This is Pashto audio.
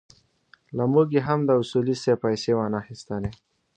له موږ یې هم د اصولي صیب پېسې وانخيستلې.